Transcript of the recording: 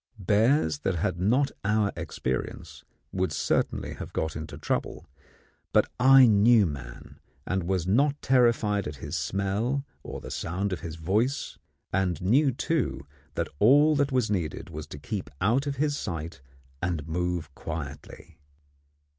Bears that had not our experience would certainly have got into trouble; but I knew man, and was not terrified at his smell or the sound of his voice, and knew, too, that all that was needed was to keep out of his sight and move quietly.